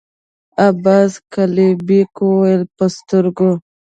عباس قلي بېګ وويل: په سترګو!